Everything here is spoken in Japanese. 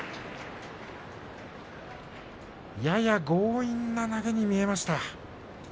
やや強引な投げに見えました。